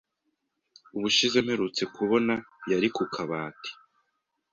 Ubushize mperutse kubona, yari ku kabati.